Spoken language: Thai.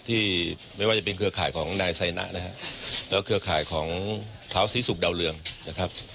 ที่ไม่ว่าจะเป็นเครือข่ายของนายไซนะนะฮะแล้วก็เครือข่ายของเท้าศรีศุกร์ดาวเรืองนะครับ